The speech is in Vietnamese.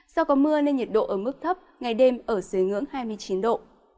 do có mưa nên nhiệt độ ở mức thấp ngày đêm ở dưới ngưỡng hai mươi chín độ